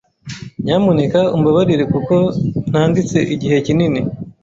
Nyamuneka umbabarire kuko ntanditse igihe kinini.